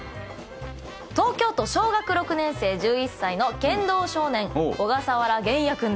東京都小学６年生１１歳の剣道少年。